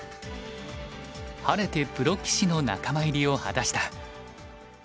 晴れてプロ棋士の仲間入りを果たした。